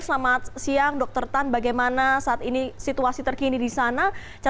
selamat siang dr tan bagaimana saat ini situasi terkini di sana